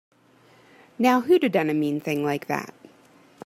Now who'da done a mean thing like that?